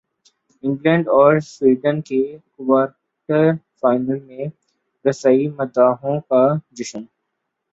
England اور Sweden کی quarter final میں رسائی مداحوں کا جشن